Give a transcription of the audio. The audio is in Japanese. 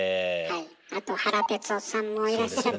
あと原哲男さんもいらっしゃったし。